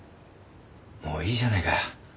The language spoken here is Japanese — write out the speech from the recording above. もういいじゃねえか。